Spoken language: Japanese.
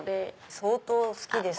相当好きです